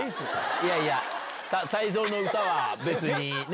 いやいや泰造の歌は別にね。